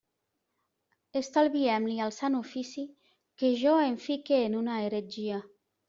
Estalviem-li al Sant Ofici que jo em fique en una heretgia.